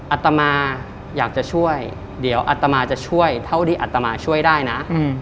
อัตมาอยากจะช่วยเดี๋ยวอัตมาจะช่วยเท่าที่อัตมาช่วยได้นะ